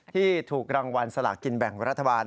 ที่ถูกรางวัลสลากินแบ่งรัฐบาล